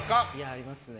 ありますね。